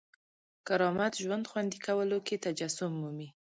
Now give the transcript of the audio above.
کرامت ژوند خوندي کولو کې تجسم مومي.